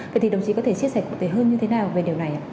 vậy thì đồng chí có thể chia sẻ cụ thể hơn như thế nào về điều này ạ